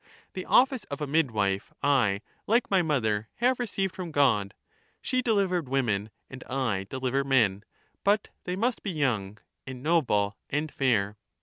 The office of a midwife I, like my mother, have received from God ; she delivered women, and I deliver men ; but they must be young and noble and fair.